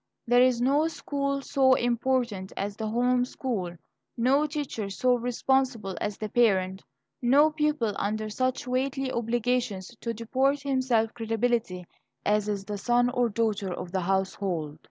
There is no school so important as the home school, no teacher so responsible as the parent, no pupil under such weighty obligations to deport himself creditably as is the son or daughter of the household.